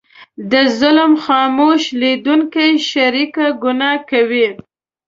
د ظلم خاموش لیدونکی شریکه ګناه کوي.